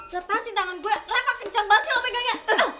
lepas sih tangan gue reva kenceng banget sih lo pegangnya